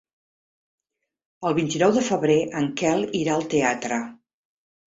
El vint-i-nou de febrer en Quel irà al teatre.